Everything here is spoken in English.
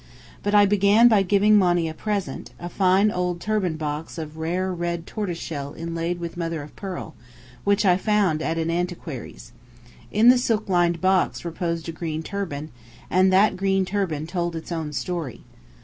But I began by giving Monny a present; a fine old turban box of rare, red tortoise shell inlaid with mother of pearl, which I found at an antiquary's. In the silklined box reposed a green turban; and that green turban told its own story.